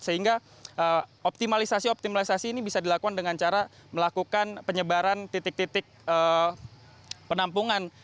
sehingga optimalisasi optimalisasi ini bisa dilakukan dengan cara melakukan penyebaran titik titik penampungan